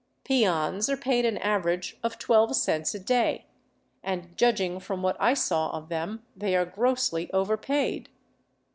Peons are paid an average of twelve cents a day, and judging from what I saw of them, they are grossly overpaid.